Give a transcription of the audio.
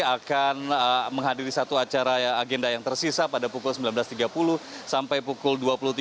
akan menghadiri satu acara agenda yang tersisa pada pukul sembilan belas tiga puluh sampai pukul dua puluh tiga